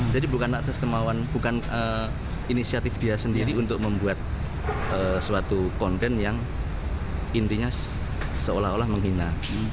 jadi bukan atas kemauan bukan inisiatif dia sendiri untuk membuat suatu konten yang intinya seolah olah menghina